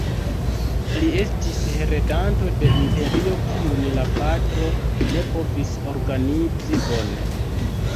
Li estis heredanto de imperio kiun la patro ne povis organizi bone.